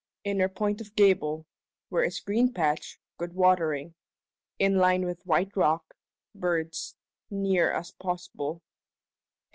inner point of Gable (where is green patch, good watering) in line with white rock (birds), neer as posble.